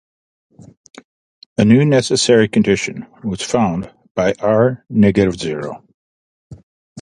A new necessary condition was found by R.-O.